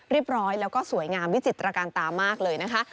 เรียบร้อยแล้วก็สวยงามวิจิตรการตามากเลยนะคะ